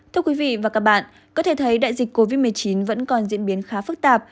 thưa quý vị và các bạn có thể thấy đại dịch covid một mươi chín vẫn còn diễn biến khá phức tạp